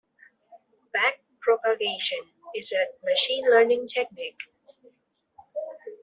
Back-propagation is a machine learning technique.